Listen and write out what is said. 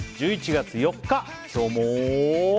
１１月４日、今日も。